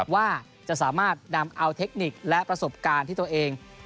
ว่าจะสามารถนำเอาเทคนิคและประสบการณ์ที่ตัวเอง